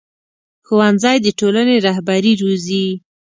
ښوونځی د ټولنې رهبري روزي